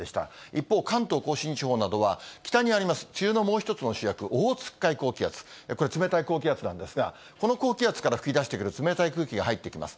一方、関東甲信地方などは、北にあります梅雨のもう一つの主役、オホーツク海高気圧、これ、冷たい高気圧なんですが、この高気圧から噴き出してくる冷たい空気が入ってきます。